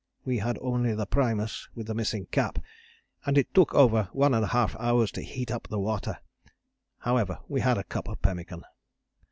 We had only the primus with the missing cap and it took over 1½ hours to heat up the water; however, we had a cup of pemmican.